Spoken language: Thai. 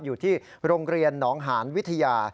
อยู่ที่โรงเรียนหนองหานวิทยา